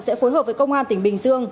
sẽ phối hợp với công an tỉnh bình dương